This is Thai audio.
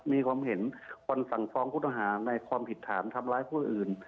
มีความเห็นคนสั่งฟ้องผู้ต้องหาในความผิดฐานทำร้ายผู้อื่น